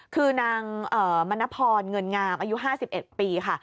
คือนางมณพรเงินงามอายุ๕๑ปีค่ะ